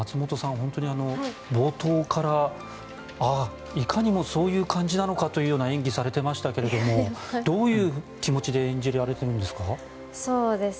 本当に冒頭からああ、いかにもそういう感じなのかという演技されていましたけどどういう気持ちで演じられてるんですか？